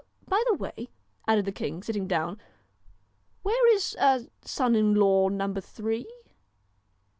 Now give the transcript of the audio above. By the way,' added the king, sitting down, ' where is son in law number Three